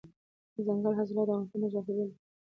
دځنګل حاصلات د افغانستان د جغرافیې بېلګه ده.